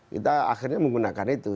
kita akhirnya menggunakan itu